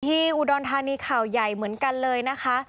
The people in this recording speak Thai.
อุดรธานีข่าวใหญ่เหมือนกันเลยนะคะ